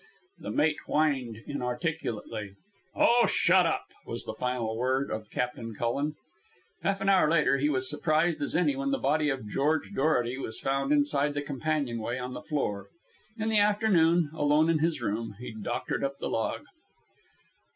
The mate whined inarticulately. "Oh, shut up!" was the final word of Captain Cullen. Half an hour later he was as surprised as any when the body of George Dorety was found inside the companionway on the floor. In the afternoon, alone in his room, he doctored up the log.